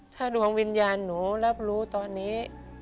ถ้าดวงวิญญาณหนูรับรู้ตอนนี้